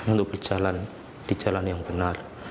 untuk berjalan di jalan yang benar